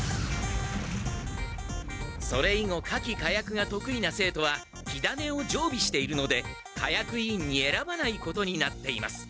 それ以後火器火薬がとくいな生徒は火種をじょうびしているので火薬委員にえらばないことになっています。